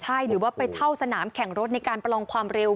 ใช่หรือว่าไปเช่าสนามแข่งรถในการประลองความเร็ว